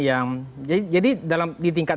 yang jadi di tingkat